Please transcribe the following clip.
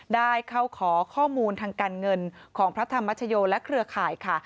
ได้เข้าขอข้อมูลทางการเงินของพระธรรมชโยและเครือข่ายค่ะ